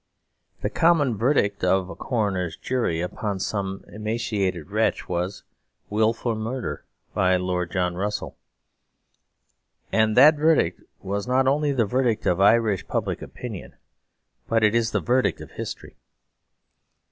The common verdict of a coroner's jury upon some emaciated wretch was "Wilful murder by Lord John Russell": and that verdict was not only the verdict of Irish public opinion, but is the verdict of history.